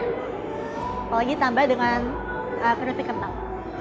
apalagi ditambah dengan keripik kentang